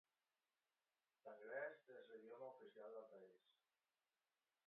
L'anglès és l'idioma oficial del país.